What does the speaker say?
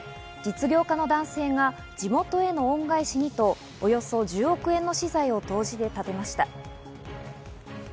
実業家の男性が地元への恩返しにと、およそ１０億円の私財を投じて建てました。